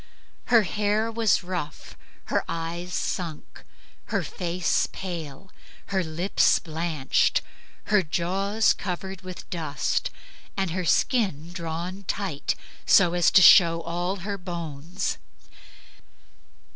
Her hair was rough, her eyes sunk, her face pale, her lips blanched, her jaws covered with dust, and her skin drawn tight, so as to show all her bones.